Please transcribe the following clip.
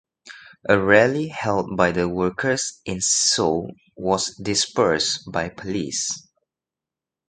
A rally held by the workers in Seoul was dispersed by police.